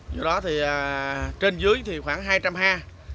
vụ đó thì trên dưới thì khoảng hai trăm linh he